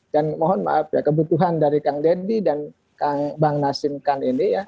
dan mohon maaf ya kebutuhan dari kang deddy dan kang bang nasim khan ini ya